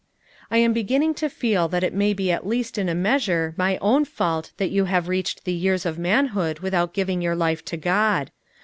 "I am beginning to feel that it may be at least in a measure my own fault that you have readied the years of manhood without giving your life to God.